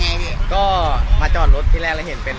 วันนี้เราจะมาจอดรถที่แรงละเห็นเป็น